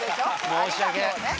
申し訳ない。